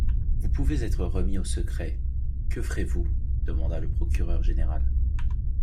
Vous pouvez être remis au secret ; que ferez-vous?... demanda le procureur général.